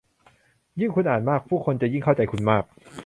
ยิ่งคุณอ่านมาก ผู้คนจะยิ่งเข้าใจคุณมาก